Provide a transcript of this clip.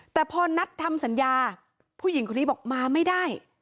แต่พอนัดทำสัญญาผู้หญิงคนนี้บอกมาไม่ได้